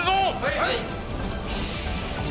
はい。